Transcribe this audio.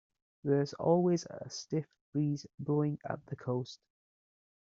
There's always a stiff breeze blowing at the coast.